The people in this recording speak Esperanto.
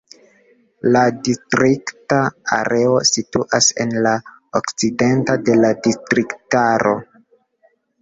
La distrikta areo situas en la okcidento de la distriktaro.